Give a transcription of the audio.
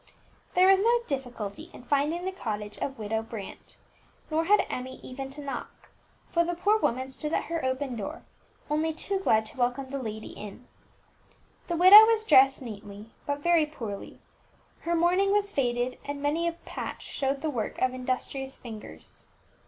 There was no difficulty in finding the cottage of Widow Brant; nor had Emmie even to knock, for the poor woman stood at her open door, only too glad to welcome the lady in. The widow was dressed neatly, but very poorly; her mourning was faded, and many a patch showed the work of industrious fingers.